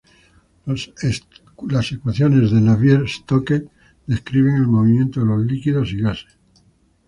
Las ecuaciones de Navier-Stokes describen el movimiento de los líquidos y gases.